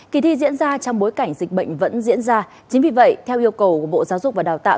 kỳ thi diễn ra trong bối cảnh dịch bệnh vẫn diễn ra chính vì vậy theo yêu cầu của bộ giáo dục và đào tạo